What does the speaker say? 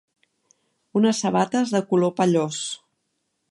Unes sabates de color pallós.